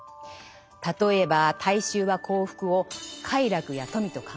例えば大衆は幸福を「快楽」や「富」と考える。